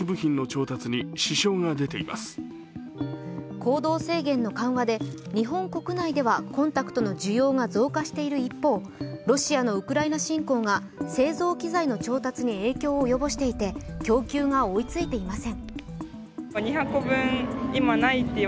行動制限の緩和で日本国内ではコンタクトの需要が増加している一方、ロシアのウクライナ侵攻が製造機材の調達に影響を及ぼしていて供給が追いついていません。